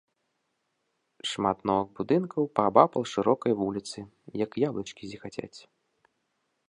Шмат новых будынкаў паабапал шырокай вуліцы, як яблычкі зіхацяць.